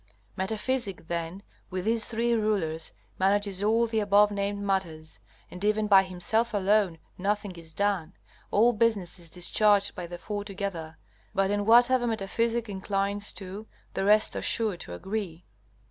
Metaphysic, then, with these three rulers, manages all the above named matters, and even by himself alone nothing is done; all business is discharged by the four together, but in whatever Metaphysic inclines to the rest are sure to agree.